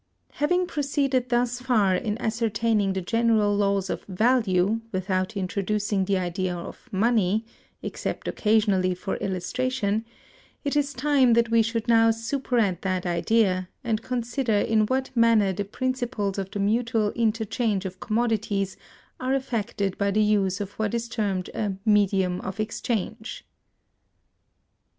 Having proceeded thus far in ascertaining the general laws of Value, without introducing the idea of Money (except occasionally for illustration), it is time that we should now superadd that idea, and consider in what manner the principles of the mutual interchange of commodities are affected by the use of what is termed a Medium of Exchange.